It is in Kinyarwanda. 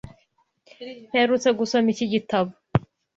Mperutse gusoma iki gitabo.